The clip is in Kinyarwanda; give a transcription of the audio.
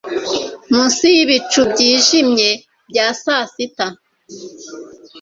Munsi yibicu byijimye bya sasita